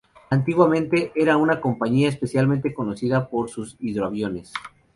Antiguamente era una compañía especialmente conocida por sus hidroaviones.